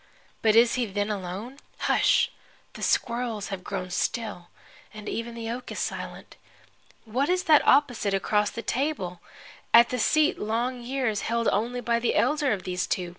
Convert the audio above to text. But is he then alone? Hush! The squirrels have grown still, and even the oak is silent. What is that opposite, across the table, at the seat long years held only by the elder of these two?